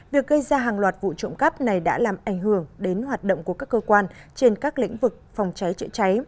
việc gây ra hàng loạt vụ trộm cắp này đã làm ảnh hưởng đến hoạt động của các cơ quan trên các lĩnh vực phòng cháy chữa cháy